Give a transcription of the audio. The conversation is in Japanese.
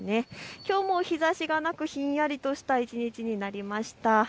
きょうも日ざしがなくひんやりとした一日になりました。